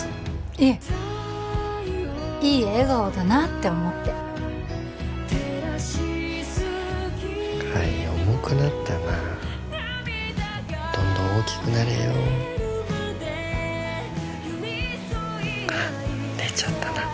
いえいい笑顔だなって思って海重くなったなどんどん大きくなれよ寝ちゃったな